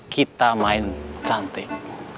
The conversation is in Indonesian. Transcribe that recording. kita main cantik